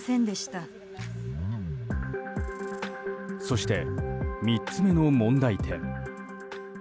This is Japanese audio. そして、３つ目の問題点。